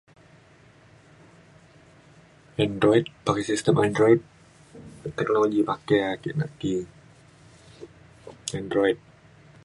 Android pakai sistem android teknologi ake nak ki android